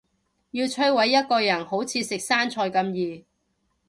要摧毁一個人好似食生菜咁易